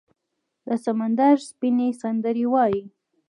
د سمندر سپینې، سندرې وایې